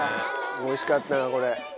おいしかったなこれ。